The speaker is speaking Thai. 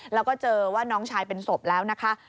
แล้วก็เจอว่าน้องชายเป็นศพแล้วนะคะ